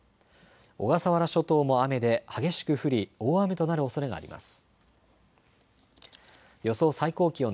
小笠原諸島も雨で激しく降り大雨となるおそれがあります。